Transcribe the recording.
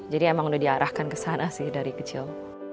jadi emang udah diarahkan kesana sih dari kecil